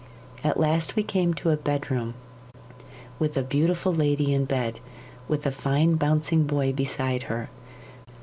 At last we came to a bedroom, with a beautiful lady in bed, with a fine bouncing boy beside her.